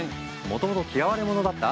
もともと嫌われ者だった？